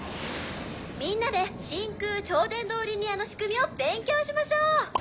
みんなで真空超電導リニアの仕組みを勉強しましょう！